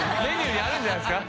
裕出るんじゃないですか？